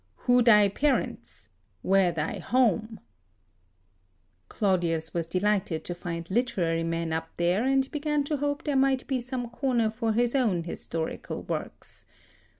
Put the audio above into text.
Who thy parents, where thy home?" [Sidenote: Od. i, 17] Claudius was delighted to find literary men up there, and began to hope there might be some corner for his own historical works.